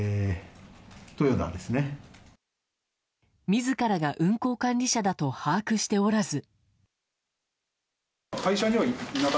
自らが運航管理者だと把握しておらず。